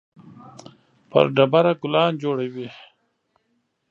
پر ډبره ګلان جوړوي